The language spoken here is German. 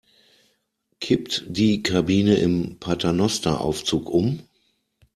Kippt die Kabine im Paternosteraufzug um?